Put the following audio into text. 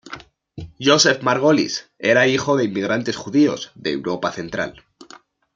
Joseph Margolis era hijo de inmigrantes judíos de Europa central.